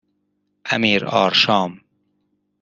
امیرآرشام